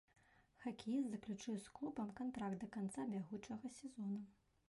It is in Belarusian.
Хакеіст заключыў з клубам кантракт да канца бягучага сезона.